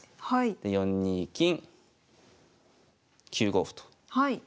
で４二金９五歩とはい。